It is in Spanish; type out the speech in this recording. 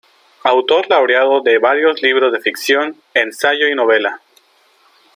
Autor laureado de varios libros de ficción, ensayo y novela.